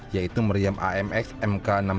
yaitu meriam amx mk enam puluh satu